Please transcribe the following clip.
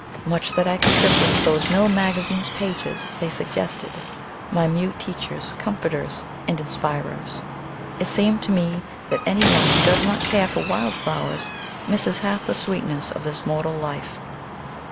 Much that I contributed to those mill magazine pages, they suggested, my mute teachers, comforters, and inspirers. It seems to me that any one who does not care for wild flowers misses half the sweetness of this mortal life.